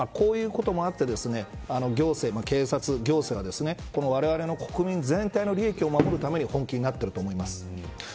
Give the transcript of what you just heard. こういったこともあって行政が、われわれ国民全体の利益を守るために本気になっていると思います。